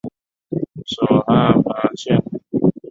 属牂牁郡。